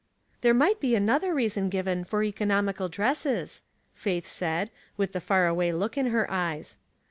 *' There might be another reason given fo^* economical dresses," Faith said, with the far away look in her eyes.